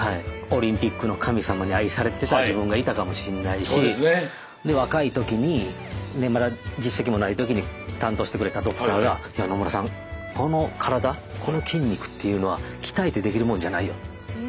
オリンピックの神様に愛されてた自分がいたかもしんないし若い時にまだ実績もない時に担当してくれたドクターが「いや野村さんこの体この筋肉っていうのは鍛えてできるもんじゃないよ」と。